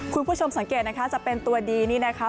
คุณผู้ชมสังเกตนะคะจะเป็นตัวดีนี่นะคะ